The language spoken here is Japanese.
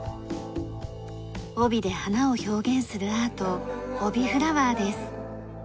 帯で花を表現するアート帯フラワーです。